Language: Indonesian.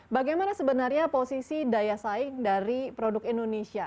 bagaimana sebenarnya posisi daya saing dari produk indonesia